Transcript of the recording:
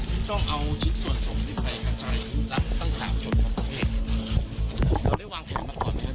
อันนี้เราไม่ได้มีการวางแผนด้วยก่อนใช่ไหมครับ